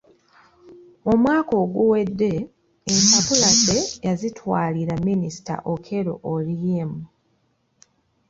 Omwaka oguwedde empapula ze yazitwalira Minisita Okello Oryem.